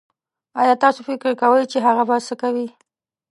ايا تاسو فکر کوي چې هغه به سه کوئ